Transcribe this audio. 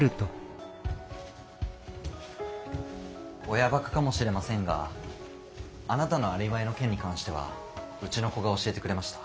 親バカかもしれませんがあなたのアリバイの件に関してはうちの子が教えてくれました。